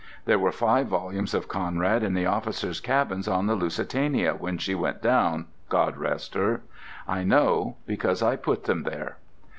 There were five volumes of Conrad in the officers' cabins on the Lusitania when she went down, God rest her. I know, because I put them there.